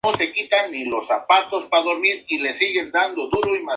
Previo a la reforma, la región comprendía tres prefecturas: Samos, Quíos y Lesbos.